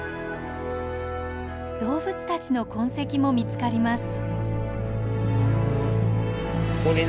動物たちの痕跡も見つかります。